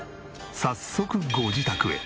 早速ご自宅へ。